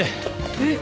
えっ！